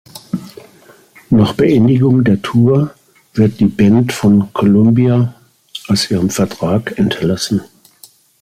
Nach Beendigung der Tour wird die Band von Columbia aus ihrem Vertrag entlassen.